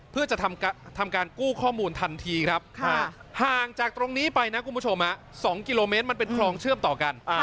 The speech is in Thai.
เพื่อจะทำการกู้ข้อมูลทันทีครับห่างจากตรงนี้ไปนะคุณผู้ชม๒กิโลเมตรมันเป็นคลองเชื่อมต่อกัน